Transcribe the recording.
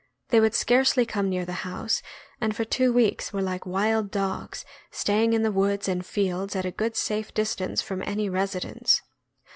They would scarcely come near the house, and for two weeks were like wild dogs, staying in the woods and fields at a good safe distance from any residence.